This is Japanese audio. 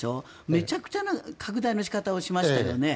めちゃくちゃな拡大の仕方をしましたよね。